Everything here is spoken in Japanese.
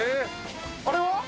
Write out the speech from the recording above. あれは？